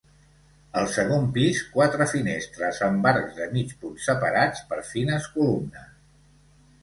Al segon pis quatre finestres amb arcs de mig punt separats per fines columnes.